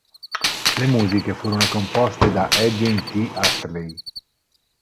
Le musiche furono composte da Edwin T. Astley.